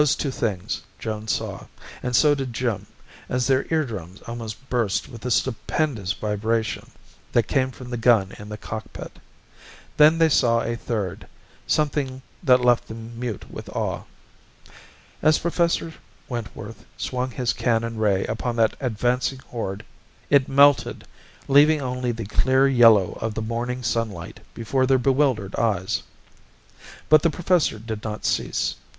Those two things Joan saw and so did Jim as their eardrums almost burst with the stupendous vibration that came from the gun in the cockpit. Then they saw a third, something that left them mute with awe. As Professor Wentworth swung his cannon ray upon that advancing horde, it melted, vanished, leaving only the clear yellow of the morning sunlight before their bewildered eyes. But the professor did not cease.